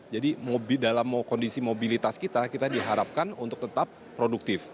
jadi dalam kondisi mobilitas kita kita diharapkan untuk tetap produktif